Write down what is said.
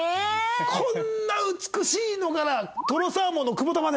こんな美しいのからとろサーモンの久保田まで！